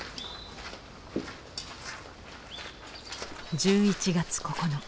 １１月９日。